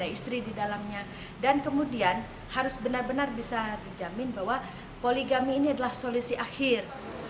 ada istri di dalamnya dan kemudian harus benar benar bisa dijamin bahwa poligami ini adalah solusi akhir